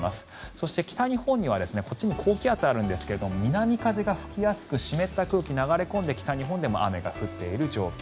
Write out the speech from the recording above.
そして、北日本にはこっちに高気圧があるんですが南風が吹きやすく湿った空気が流れ込んで北日本でも雨が降っている状況。